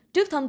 trước thông tin